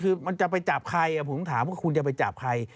คือมันจะไปจับใครผมถามว่าคุณจะไปจับใคร